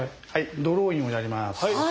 ドローインをやります。